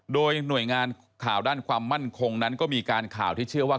โดยหน่วยงานข่าวด้านความมั่นคงนั้นก็มีการข่าวที่เชื่อว่า